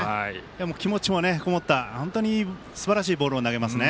気持ちもこもった本当にすばらしいボールを投げますね。